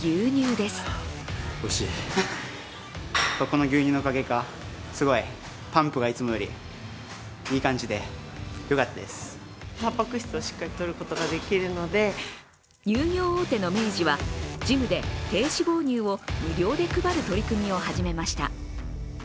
乳業大手の明治はジムで低脂肪乳を無料で配る取り組みを始めました。